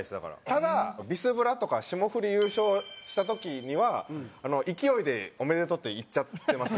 ただビスブラとか霜降り優勝した時には勢いで「おめでとう」って言っちゃってます。